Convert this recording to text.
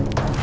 gak mau kali